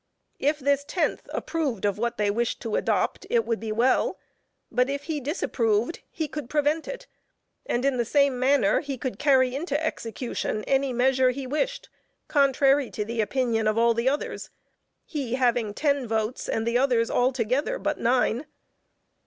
If this tenth approved of what they wished to adopt, it would be well; but if he disapproved, he could prevent it, and in the same manner he could carry into execution any measure he wished, contrary to the opinion of all the others, he having ten votes, and the others altogether but nine.